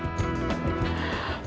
belajar membuat tembikar atau keramik